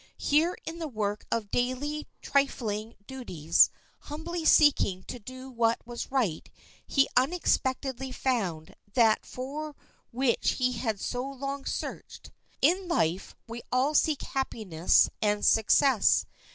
Here, in the work of daily, trifling duties, humbly seeking to do what was right, he unexpectedly found that for which he had so long searched. In life we all seek happiness and success.